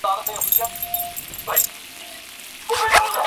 同年楠泰尔大学车站亦启用。